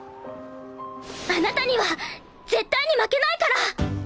あなたには絶対に負けないから！！